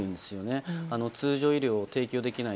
通常医療を提供できない